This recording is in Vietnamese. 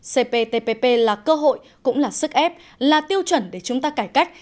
cptpp là cơ hội cũng là sức ép là tiêu chuẩn để chúng ta cải cách